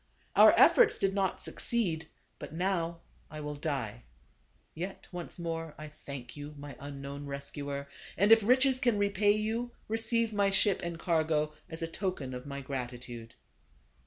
Our efforts did not succeed, but now, I will die. Yet once more I thank you, my un known rescuer ; and if riches can repay you, receive my ship and cargo, as a token of my gratitude."